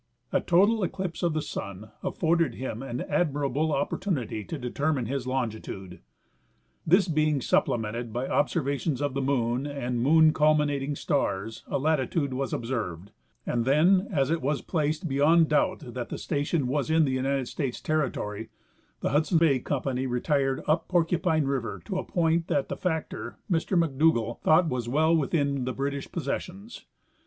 A total eclipse of the sun afforded him an admirable opportunity to determine his longitude. This being supple mented by observations of the moon and moon culminating stars, a latitude was observed ; and then, as it was placed beyond doubt that the station was in the United States territory, the Hudson Bay company retired up Porcupine river to a point that the factor, Mr McDougall, thought was well within the Bwtish pos sessions.